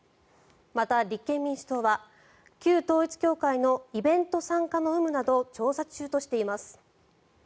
また、立憲民主党は旧統一教会のイベント参加の有無など調査中としています。